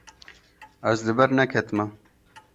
Ez li ber neketime.